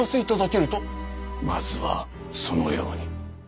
まずはそのように。